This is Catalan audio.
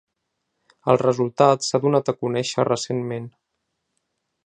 El resultat s’ha donat a conèixer recentment.